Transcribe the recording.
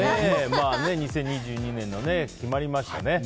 ２０２２年が決まりましたね。